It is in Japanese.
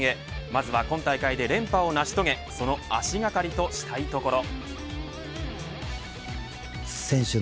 まずは今大会で連覇を成し遂げその足掛かりとしたいところ。